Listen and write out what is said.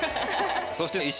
そして。